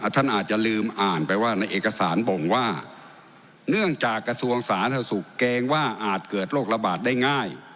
ท่านอาจจะลืมอ่านไปว่าในเอกสารบ่งว่าเนื่องจากกระทรวงสาธารณสุขเกรงว่าอาจเกิดโรคระบาดได้ง่าย